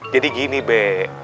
jadi gini be